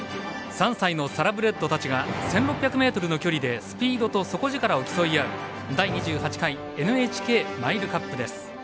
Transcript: ３歳のサラブレッドたちが１６００ｍの距離でスピードと底力を競い合う第２８回ＮＨＫマイルカップです。